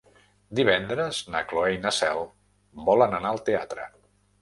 Divendres na Cloè i na Cel volen anar al teatre.